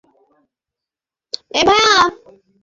কিন্তু, আপনার শব্দ শোনার ব্যাপারটা আমার বিশ্বাস হয়নি!